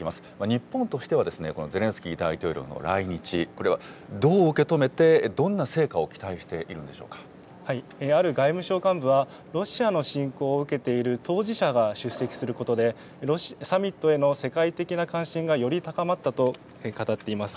日本としては、このゼレンスキー大統領の来日、これはどう受け止めて、どんな成果を期待しているある外務省幹部は、ロシアの侵攻を受けている当事者が出席することで、サミットへの世界的な関心がより高まったと語っています。